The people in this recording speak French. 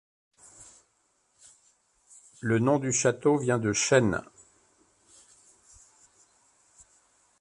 Le nom du château vient de chêne.